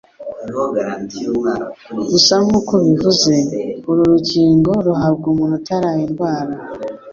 Gusa nk'uko ubivuze, uru rukingo ruhabwa umuntu utarayirwara